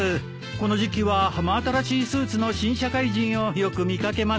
この時期は真新しいスーツの新社会人をよく見掛けます。